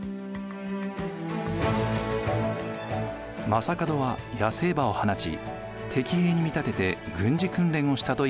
将門は野生馬を放ち敵兵に見立てて軍事訓練をしたといわれています。